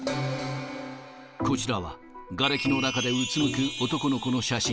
こちらはがれきの中でうつむく男の子の写真。